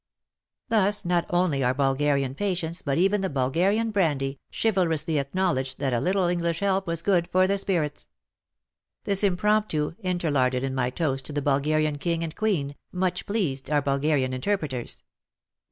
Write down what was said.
Thus not only our Bulgarian patients, but even the Bulgarian brandy, chivalrously acknowledged that a little English help was good for the spirits ! This impromptu, inter larded in my toast to the Bulgarian King and Queen, much pleased our Bulgarian interpreters.